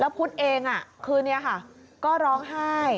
แล้วพุทธเองคืนนี้ก็ร้องไห้